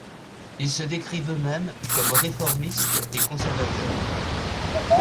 Ils se décrivent eux-mêmes comme réformistes et conservateurs.